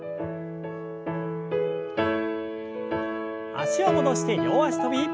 脚を戻して両脚跳び。